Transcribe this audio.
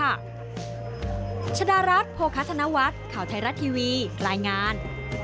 ได้แล้วค่ะชะดารัสโภษธนวัตรข่าวไทยรัฐทีวีรายงาน